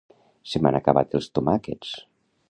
Se m'han acabat els tomàquets